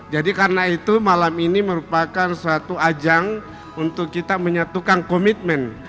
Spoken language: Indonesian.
jadi karena itu malam ini merupakan suatu ajang untuk kita menyatukan komitmen